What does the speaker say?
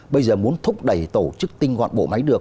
bây giờ muốn thúc đẩy tổ chức tinh gọn bộ máy được